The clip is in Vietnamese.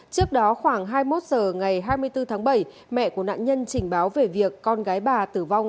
trước đó khoảng hai mươi một h ngày hai mươi bốn tháng bảy mẹ của nạn nhân trình báo về việc con gái bà tử vong